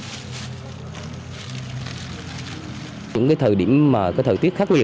trước những thời tiết khắc liệt trước đó kể cả những lễ hậu